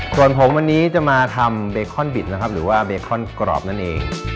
ส่วนผมวันนี้จะมาทำเบคอนบิตนะครับหรือว่าเบคอนกรอบนั่นเอง